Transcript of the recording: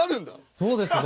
そうですね。